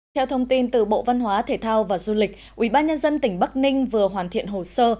theo thông tin từ bộ văn hóa thể thao và du lịch ubnd tỉnh bắc ninh vừa hoàn thiện hồ sơ